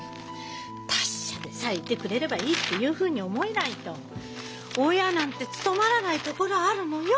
達者でさえいてくれればいいっていうふうに思えないと親なんて務まらないところあるのよ！